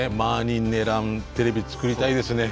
にんねーらんテレビ作りたいですね。